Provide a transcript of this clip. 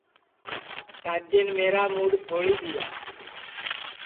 کاجین میرا موڈؔ پھوڑی دؔیا